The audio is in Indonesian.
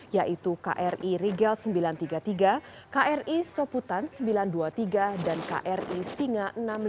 yaitu kri rigel sembilan ratus tiga puluh tiga kri soputan sembilan ratus dua puluh tiga dan kri singa